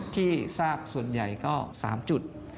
ที่ทราบส่วนใหญ่ก็๓จุด